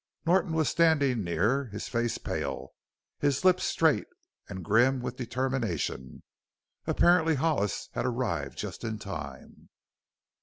Norton was standing near, his face pale, his lips straight and grim with determination. Apparently Hollis had arrived just in time.